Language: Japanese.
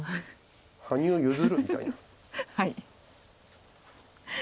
羽生「結弦」みたいな。